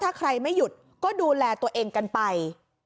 ถ้าใครไม่หยุดก็ดูแลตัวเองกันไป